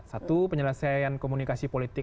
satu penyelesaian komunikasi politik